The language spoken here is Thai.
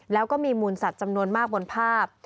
แล้วก็มีมูลสัตว์จำนวนมากบนภาพ